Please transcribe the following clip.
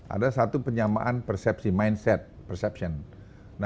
ada satu penyamaan persepsi mindset perception nah pendidikan ini apa kita